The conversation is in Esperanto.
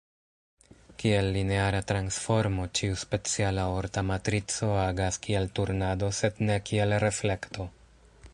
Kiel lineara transformo, ĉiu speciala orta matrico agas kiel turnado sed ne kiel reflekto.